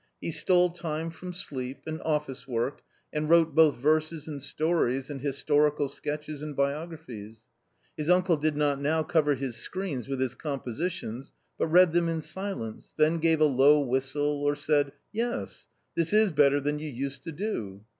He stole time from sleep, and office work, and wrote both verses and stories and historical sketches and biographies. His uncle did not now cover his screens with his compositions, but read them in silence, then gave a low whistle, or said, " Yes ! this is better than you used to do."